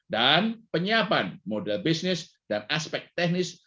dan penyiapan model bisnis dan aspek teknis